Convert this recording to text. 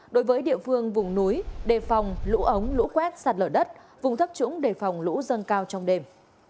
đối với địa phương vùng núi đề phòng lũ ống lũ quét sạt lở đất vùng thấp trũng đề phòng lũ dâng cao trong đêm